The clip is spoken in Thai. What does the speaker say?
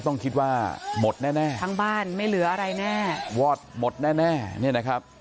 ต้องคิดว่าหมดแน่แน่ทั้งบ้านไม่เหลืออะไรแน่วอดหมดแน่แน่เนี่ยนะครับ